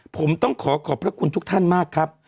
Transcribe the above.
ผมต้องขอขอบพระคุณทุกท่านมากครับ